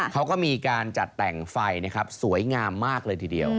เขาก็มีการจัดแต่งไฟนะครับสวยงามมากเลยทีเดียว